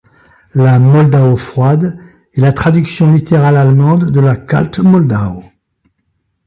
La Moldau froide est la traduction littérale allemande de la Kalt Moldau.